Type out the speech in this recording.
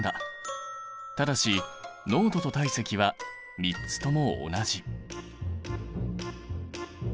ただし濃度と体積は３つとも同じ。